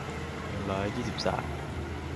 หนึ่งร้อยยี่สิบสาม